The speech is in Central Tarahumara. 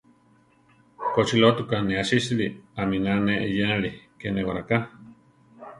Kochilótuka ne asísili, aminá ne eyénali, ké néwaraká.